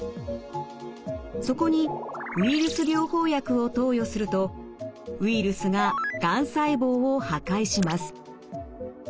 そこにウイルス療法薬を投与するとウイルスががん細胞を破壊します。